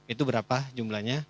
itu berapa jumlahnya